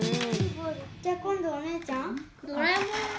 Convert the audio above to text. じゃあ今度お姉ちゃん？